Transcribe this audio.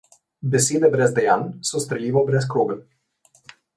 Besede brez dejanj so strelivo brez krogel.